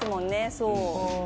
そう。